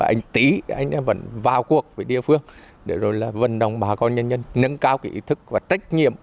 anh tý vẫn vào cuộc với địa phương để vận động bà con nhân nhân nâng cao kỹ thức và trách nhiệm